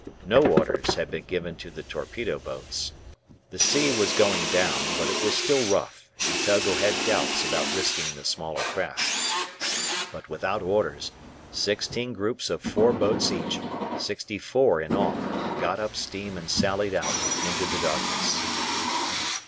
No orders had been given to the torpedo boats. The sea was going down, but it was still rough, and Togo had doubts about risking the smaller craft. But without orders, sixteen groups of four boats each, sixty four in all, got up steam and sallied out into the darkness.